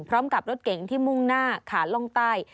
พร้อมกับรถเก๋งที่มุ่งหน้าขาล่องใต้